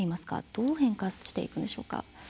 どう変化していくんでしょうか。